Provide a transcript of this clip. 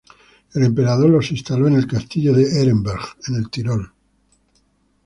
El emperador los instaló en el castillo de Ehrenberg, en el Tirol.